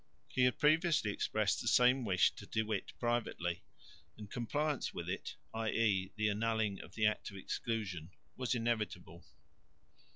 He had previously expressed the same wish to De Witt privately; and compliance with it, i.e. the annulling of the Act of Exclusion, was inevitable.